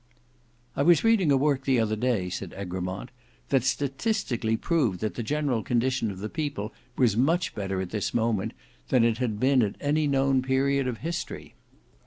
"I was reading a work the other day," said Egremont, "that statistically proved that the general condition of the people was much better at this moment than it had been at any known period of history."